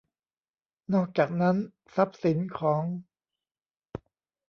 นอกจากนั้นทรัพย์สินของ